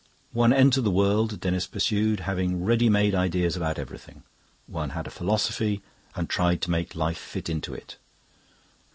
One entered the world, Denis pursued, having ready made ideas about everything. One had a philosophy and tried to make life fit into it.